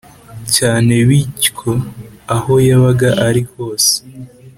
cyane bityo aho yabaga ari hose